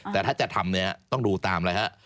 แต่ถ้าจะทำเนี่ยต้องดูตามเลยฮะ